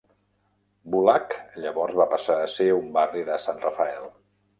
Bulak llavors va passar a ser un barri de San Rafael.